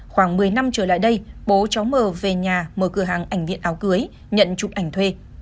khoảng một mươi năm trở lại đây bố cháu mờ về nhà mở cửa hàng ảnh điện áo cưới nhận chụp ảnh thuê